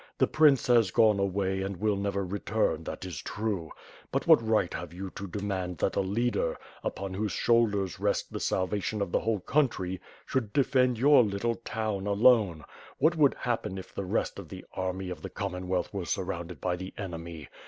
The prince has gone away and will never return — that is true; but what right have you to demand that a leader, upon whose shoulders rests the salvation of the whole country, should defend your little town alone; what would happen 7 the rest of the army of the 521 522 WITH FIRE AND SWORD, Commonwealth were surrounded by the enemy?